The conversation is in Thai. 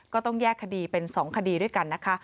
ก็ต้องแยกคดีเป็น๒คดีด้วยกันนะคะ